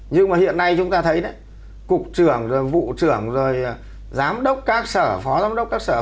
nhưng mà hiện nay chúng ta thấy cục trưởng vụ trưởng giám đốc các sở phó giám đốc các sở